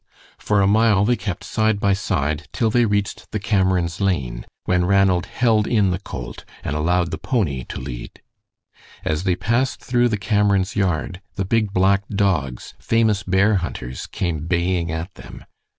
For a mile they kept side by side till they reached the Camerons' lane, when Ranald held in the colt and allowed the pony to lead. As they passed through the Camerons' yard the big black dogs, famous bear hunters, came baying at them.